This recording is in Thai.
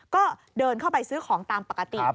ก็เดินเข้าไปซื้อของตามปกติ